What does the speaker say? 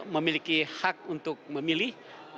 memiliki hak untuk memilih